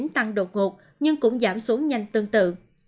tăng đột ngột nhưng cũng giảm xuống nhanh tương tự